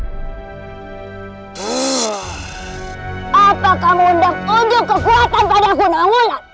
apakah kamu hendak unjuk kekuatan pada aku nauwul